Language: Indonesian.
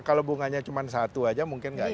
kalau bunganya cuma satu aja mungkin gak